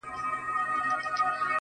مُلا سړی سو په خپل وعظ کي نجلۍ ته ويل.